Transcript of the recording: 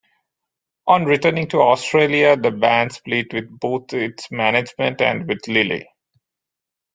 On returning to Australia, the band split with both its management and with Lilley.